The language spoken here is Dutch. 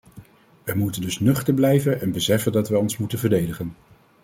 Wij moeten dus nuchter blijven en beseffen dat wij ons moeten verdedigen.